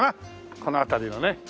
この辺りのね！